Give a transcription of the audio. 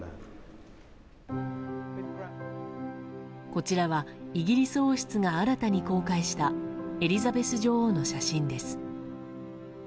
こちらはイギリス王室が新たに公開したエリザベス女王の写真です。